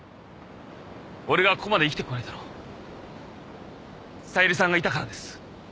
俺がここまで生きてこれたの小百合さんがいたからです。